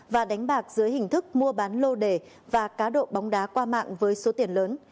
và đánh bạc dưới hình thức mua bán lô đề và cá độ bóng đá qua mạng với số tiền lớn